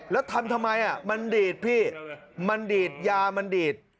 แล้วทำทำไมมันดีดพี่มันดีดยามันดีด